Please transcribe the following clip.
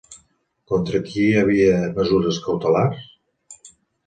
Contra qui hi havia mesures cautelars?